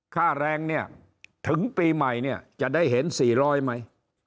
ค่าแรงเนี่ยถึงปีใหม่เนี่ยจะได้เห็น๔๐๐ไหม